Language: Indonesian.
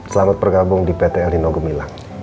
selamat bergabung di pt elinogemilang